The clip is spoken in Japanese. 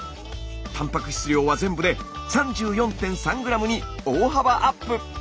たんぱく質量は全部で３４．３ｇに大幅アップ。